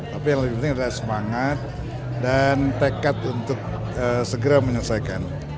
tapi yang lebih penting adalah semangat dan tekad untuk segera menyelesaikan